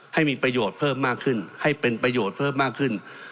ให้มีประโยชน์เพิ่มมากขึ้นให้เป็นประโยชน์เพิ่มมากขึ้น